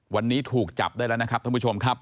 วันนี้ถูกจับได้แล้วนะครับท่านผู้ชมครับ